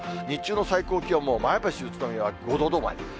日中の最高気温も、前橋、宇都宮は５度止まり。